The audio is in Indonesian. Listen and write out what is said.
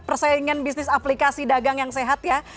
persaingan bisnis aplikasi dagang yang sehat ya